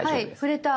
触れた。